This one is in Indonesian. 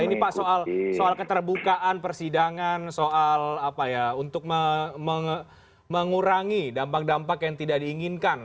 ini pak soal keterbukaan persidangan soal apa ya untuk mengurangi dampak dampak yang tidak diinginkan